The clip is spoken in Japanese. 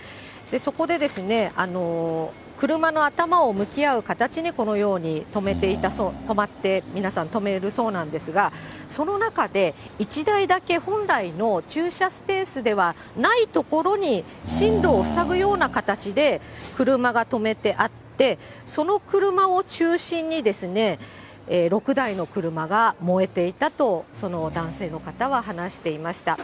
そこでですね、車の頭を向き合う形に、このように止まって、皆さん止めるそうなんですが、その中で１台だけ、本来の駐車スペースではない所に、進路を塞ぐような形で車が止めてあって、その車を中心に、６台の車が燃えていたと、その男性の方は話していました。